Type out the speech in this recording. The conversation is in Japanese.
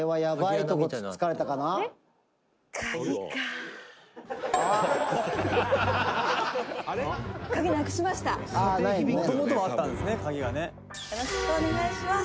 「よろしくお願いします」